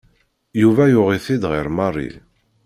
Yuba yuɣ-it-id ɣer Mary.